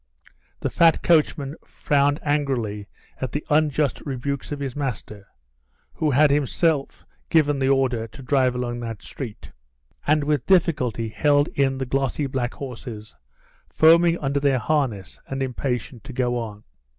The fat coachman frowned angrily at the unjust rebukes of his master who had himself given the order to drive along that street and with difficulty held in the glossy, black horses, foaming under their harness and impatient to go on.